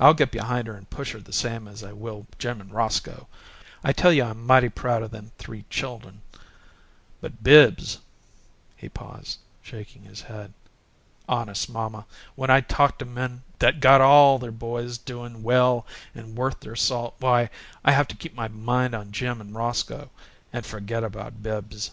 I'll get behind her and push her the same as I will Jim and Roscoe. I tell you I'm mighty proud o' them three chuldern! But Bibbs " He paused, shaking his head. "Honest, mamma, when I talk to men that got ALL their boys doin' well and worth their salt, why, I have to keep my mind on Jim and Roscoe and forget about Bibbs."